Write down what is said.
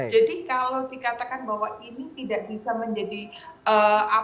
jadi kalau dikatakan bahwa ini tidak bisa menjadi apa itu demokrasi